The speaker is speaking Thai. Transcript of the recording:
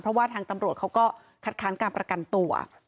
เพราะว่าทางตำรวจเขาก็คัดค้านการประกันตัว